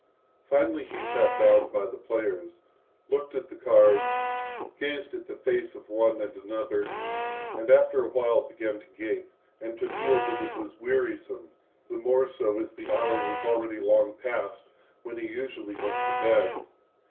Finally he sat down by the players, looked at the cards, gazed at the face of one and another, and after a while began to gape, and to feel that it was wearisome, the more so, as the hour was already long past when he usually went to bed.